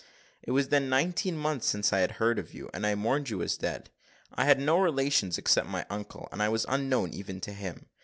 "It was then nineteen months since I had heard of you, and I mourned you as dead. I had no relations except my uncle, and I was unknown even to him.